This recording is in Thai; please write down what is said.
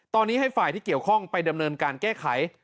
ตอนนี้ให้ฝ่ายที่เกี่ยวข้องไปดำเนินการแก้ไข